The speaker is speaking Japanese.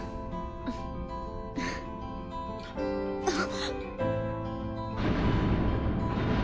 あっ。